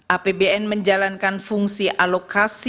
apbn menjalankan fungsi alokasi